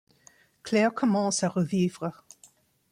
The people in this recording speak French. Claire commence à revivre.